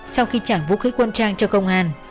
sau khi trả vũ khí quân trang cho công an